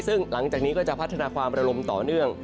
ซึ่งหลังจากนี้ก็จะพัฒนาความระลมต่อเนื่อง